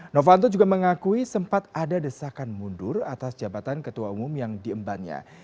novanto juga mengakui sempat ada desakan mundur atas jabatan ketua umum yang diembannya